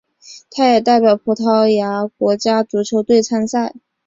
他也代表葡萄牙国家足球队参赛。